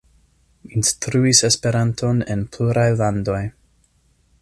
Instruis Esperanton en pluraj landoj.